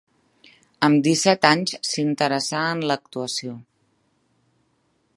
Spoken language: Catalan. Amb disset anys s'interessà en l'actuació.